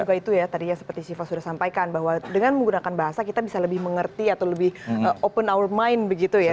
juga itu ya tadi ya seperti siva sudah sampaikan bahwa dengan menggunakan bahasa kita bisa lebih mengerti atau lebih open hour mind begitu ya